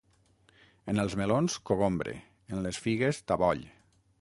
En els melons, cogombre; en les figues, taboll.